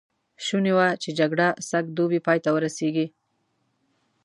شوني وه چې جګړه سږ دوبی پای ته ورسېږي.